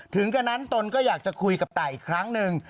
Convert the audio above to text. ถึงกันนั้นตนก็อยากจะคุยกับตายอีกครั้งหนึ่ง